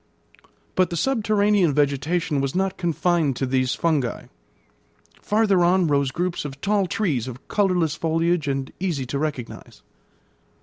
But the subterranean vegetation was not confined to these fungi. Farther on rose groups of tall trees of colourless foliage and easy to recognise.